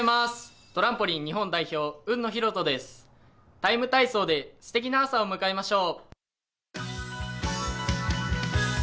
「ＴＩＭＥ，体操」ですてきな朝を迎えましょう。